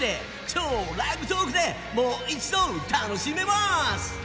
超ラグトークでもう一度楽しめます。